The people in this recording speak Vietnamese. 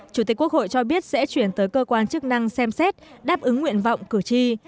chủ tịch quốc hội cho biết sẽ chuyển tới cơ quan chức năng xem xét đáp ứng nguyện vọng cử tri